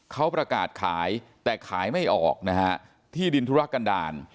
เขาประกาศขายแต่ขายไม่ออกนะฮะที่ดินธุรกันดาล